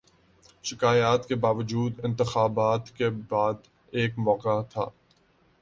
شکایات کے باوجود، انتخابات کے بعد ایک موقع تھا۔